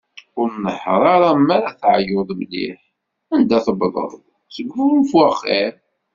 Ur nehher ara mi ara teɛyuḍ mliḥ, anda tewḍeḍ, sgunfu axir.